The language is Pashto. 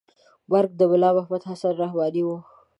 مرکه د ملا محمد حسن رحماني وه.